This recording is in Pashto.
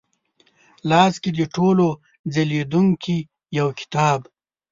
لاس کې د ټولو ځلېدونکې یوکتاب،